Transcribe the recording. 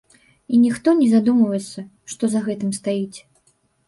І ніхто не задумваецца, што за гэтым стаіць.